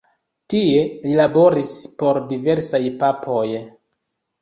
Tie li laboris por diversaj papoj.